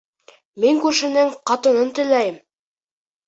Мин күршенең ҡатынын теләйем.